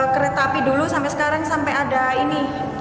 kereta api dulu sampai sekarang sampai ada ini